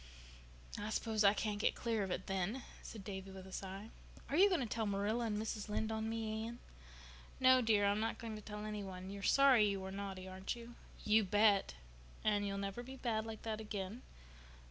"I s'pose I can't get clear of it then," said Davy with a sigh. "Are you going to tell Marilla and Mrs. Lynde on me, Anne?" "No, dear, I'm not going to tell any one. You are sorry you were naughty, aren't you?" "You bet!" "And you'll never be bad like that again."